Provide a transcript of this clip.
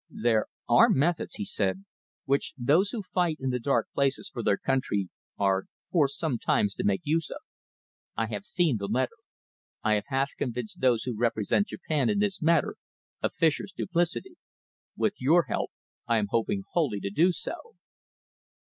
"There are methods," he said, "which those who fight in the dark places for their country are forced sometimes to make use of. I have seen the letter. I have half convinced those who represent Japan in this matter of Fischer's duplicity. With your help I am hoping wholly to do so."